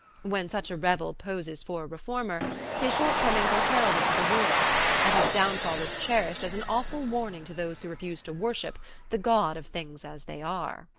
When such a rebel poses for a reformer, his shortcomings are heralded to the world, and his downfall is cherished as an awful warning to those who refuse to worship "the god of things as they are."